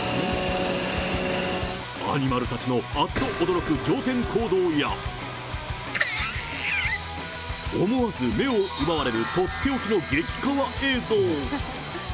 アニマルたちのあっと驚く仰天行動や、思わず目を奪われる、取って置きの劇かわ映像。